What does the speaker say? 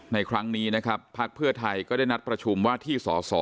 ในครั้งนี้นะครับภักดิ์เพื่อไทยก็ได้นัดประชุมว่าที่สอสอ